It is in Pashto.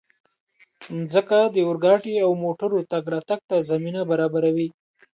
مځکه د اورګاډي او موټرو تګ راتګ ته زمینه برابروي.